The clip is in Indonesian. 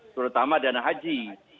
terutama dana haji